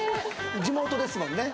地元ですもんね